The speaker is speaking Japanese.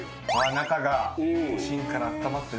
中が芯からあったまってね。